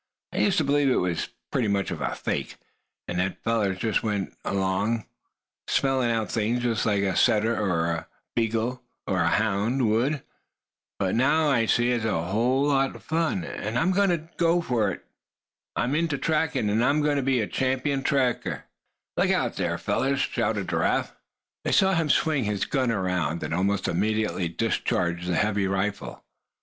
"I used to believe it was pretty much of a fake, and that fellers just kind of went along, smellin' out things, like a setter or a hound would. But now I see it's a whole lot of fun; and I'm going in for trackin'. I am to be a champion trailer." "Look out there, fellers!" shouted Giraffe. They saw him swing his gun around, and almost immediately discharge the heavy rifle.